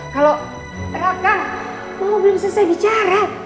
kalau raka mama belum selesai bicara